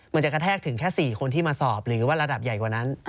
มันจะกระแทกถึงแค่๔คนที่มาสอบหรือว่าระดับใหญ่กว่านั้น